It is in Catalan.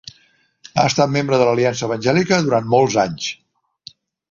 Ha estat membre de l'Aliança Evangèlica durant molts anys.